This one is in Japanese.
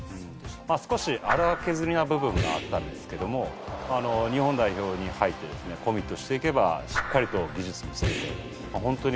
少し粗削りな部分があったんですけども日本代表に入ってコミットして行けばしっかりと技術も付いてホントに。